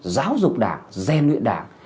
giáo dục đảng ghen luyện đảng